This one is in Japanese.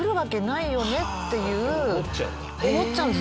思っちゃうんだ。